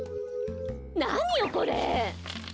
なによこれ！